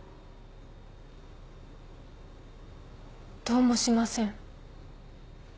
どうもしません。